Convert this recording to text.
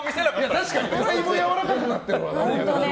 確かに、だいぶやわらかくなったよ。